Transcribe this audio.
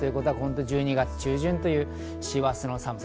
１２月中旬並み、師走の寒さ。